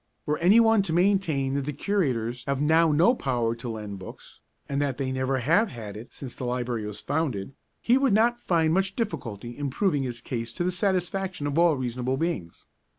Were any one to maintain that the Curators have now no power to lend books, and that they never have had it since the Library was founded, he would not find much difficulty in proving his case to the satisfaction of all reasonable beings.